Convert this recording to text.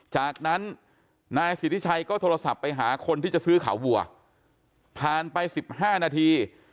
จากนั้นนายสิทธิชัยก็โทรศัพท์ไปหาคนที่จะซื้อขาวัวผ่านไป๑๕นาที